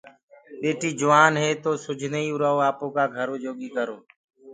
ٻٽيٚ جوآن هي تو اُرا ڪو سُجھدي آپو ڪآ گھرو جوگي ڪرو۔